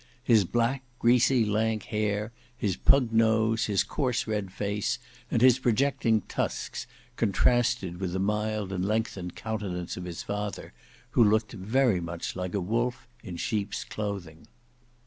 His black, greasy lank hair, his pug nose, his coarse red face, and his projecting tusks, contrasted with the mild and lengthened countenance of his father, who looked very much like a wolf in sheep's clothing.